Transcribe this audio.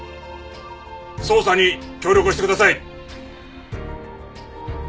捜査に協力してください。